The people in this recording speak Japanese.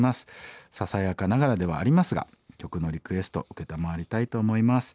ささやかながらではありますが曲のリクエスト承りたいと思います。